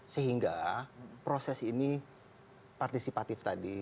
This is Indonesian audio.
sehingga proses ini partisipatif tadi